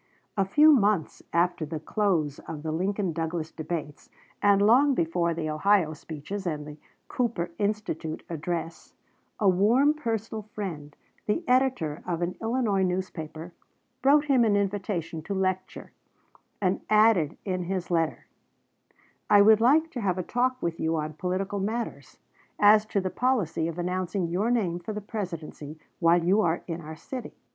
A few months after the close of the Lincoln Douglas debates, and long before the Ohio speeches and the Cooper Institute address, a warm personal friend, the editor of an Illinois newspaper, wrote him an invitation to lecture, and added in his letter: "I would like to have a talk with you on political matters, as to the policy of announcing your name for the Presidency, while you are in our city.